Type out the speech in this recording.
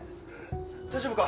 大丈夫か？